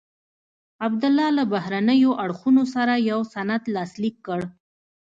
عبدالله له بهرنیو اړخونو سره یو سند لاسلیک کړ.